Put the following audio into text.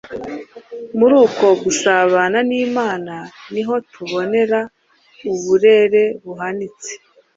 Muri uko gusabana n’Imana niho tubonera uburere buhanitse.